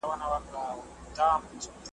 زه په لحد کي او ته به ژاړې `